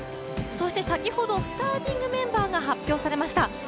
先ほどスターティングメンバーが発表されました。